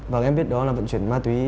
và em biết đó là vận chuyển ma túy